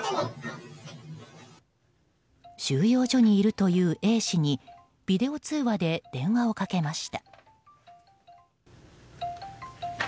収容所にいるというＡ氏にビデオ通話で電話をかけました。